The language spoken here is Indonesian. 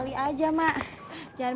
loh itu apa yang su kris